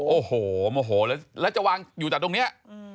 โอ้โหโมโหแล้วจะวางอยู่แต่ตรงนี้